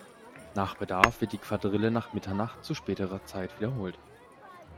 Nach Bedarf wird die Quadrille nach Mitternacht zu späterer Zeit wiederholt.